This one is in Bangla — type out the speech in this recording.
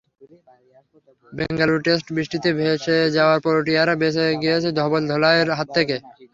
বেঙ্গালুরু টেস্ট বৃষ্টিতে ভেসে যাওয়ায় প্রোটিয়ারা বেঁচে গিয়েছে ধবল ধোলাইয়ের হাত থেকে।